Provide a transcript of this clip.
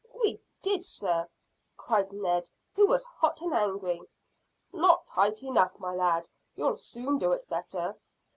"We did, sir," cried Ned, who was hot and angry. "Not tight enough, my lad. You'll soon do it better."